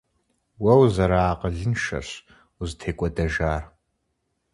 Уэ узэрыакъылыншэрщ узытекӀуэдэжар.